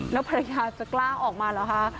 แล้วภรรยาจะกล้าออกมาเหรอคะ